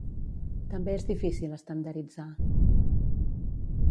També és difícil estandarditzar.